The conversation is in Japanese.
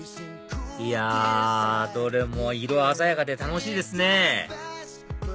いやどれも色鮮やかで楽しいですね